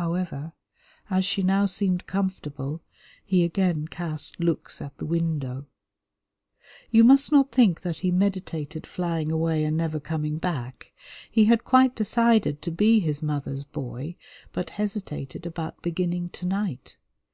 However, as she now seemed comfortable, he again cast looks at the window. You must not think that he meditated flying away and never coming back. He had quite decided to be his mother's boy, but hesitated about beginning to night.